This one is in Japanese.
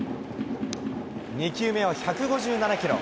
２球目は１５７キロ。